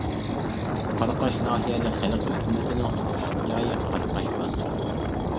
قاراقاش ناھىيەلىك خەلق ھۆكۈمىتىنىڭ تۇرۇشلۇق جايى قاراقاش بازىرى.